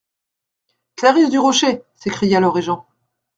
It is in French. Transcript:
Clarice du Rocher !… s'écria le régent.